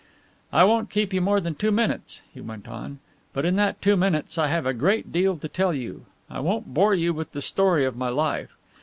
"I won't keep you more than two minutes," he went on, "but in that two minutes I have a great deal to tell you. I won't bore you with the story of my life."